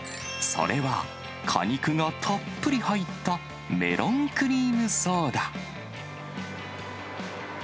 それは、果肉がたっぷり入ったメロンクリームソーダ。